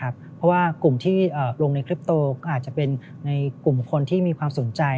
เพราะว่ากลุ่มที่ลงในคลิปโตก็อาจจะเป็นในกลุ่มคนที่มีความสนใจ